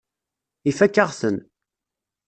Ifakk-aɣ-ten.